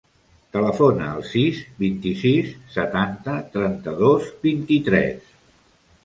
Telefona al sis, vint-i-sis, setanta, trenta-dos, vint-i-tres.